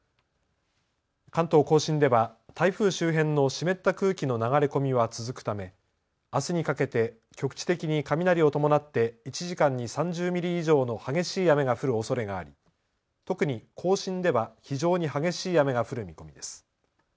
関東甲信では台風周辺の湿った空気の流れ込みは続くためあすにかけて局地的に雷を伴って１時間に３０ミリ以上の激しい雨が降るおそれがあり特に甲信では非常に激しい雨が降る見込みです。